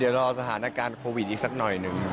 เดี๋ยวรอสถานการณ์โควิดอีกสักหน่อยหนึ่ง